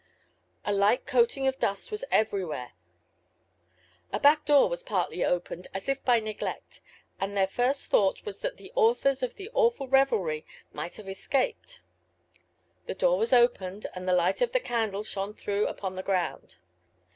A light coating of dust was everywhere. A back door was partly open, as if by neglect, and their first thought was that the authors of the awful revelry might have escaped. The door was opened, and the light of the candle shone through upon the ground.